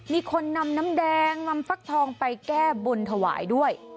มีคนนำน้ำแดงนำฟักทองไปแก้บนถวายด้วย